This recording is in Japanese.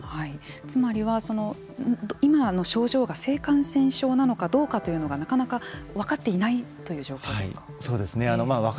つまりは、今症状が性感染症なのかどうかというのがなかなか分かっていないという状況ですか。